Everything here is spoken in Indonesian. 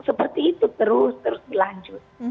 seperti itu terus terus berlanjut